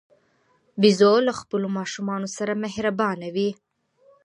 بیزو له خپلو ماشومانو سره مهربانه وي.